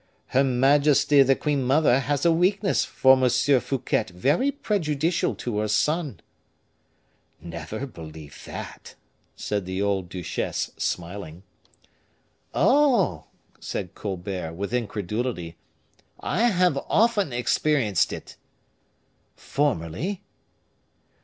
"Her majesty, the queen mother, has a weakness for M. Fouquet very prejudicial to her son." "Never believe that," said the old duchesse, smiling. "Oh!" said Colbert, with incredulity, "I have often experienced it." "Formerly?"